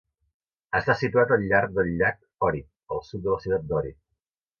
Està situat al llarg del llac Ohrid, al sud de la ciutat d'Ohrid.